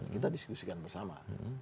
kita diskusikan bersama